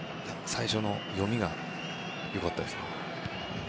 最初の読みが良かったですね。